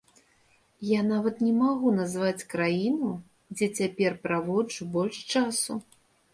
Я нават не магу назваць краіну, дзе цяпер праводжу больш часу.